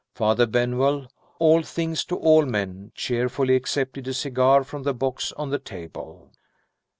Father Benwell "all things to all men" cheerfully accepted a cigar from the box on the table.